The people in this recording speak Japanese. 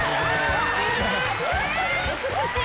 美しい！